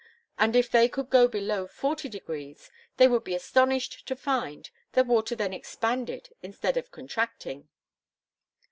And if they could go below forty degrees, they would be astonished to find that water then expanded instead of contracting.